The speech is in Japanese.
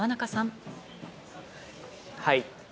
はい。